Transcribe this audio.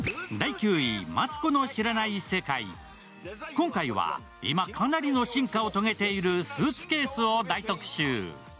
今回は今かなりの進化を遂げているスーツケースを大特集。